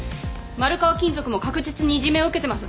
丸川金属も確実にいじめを受けてます。